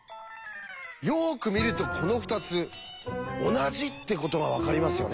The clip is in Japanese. よく見るとこの２つ同じってことが分かりますよね。